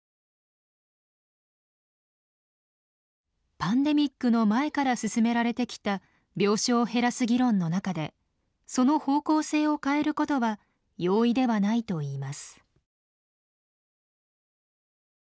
パンデミックの前から進められてきた病床を減らす議論の中でその方向性を変えることは容易ではないといいます。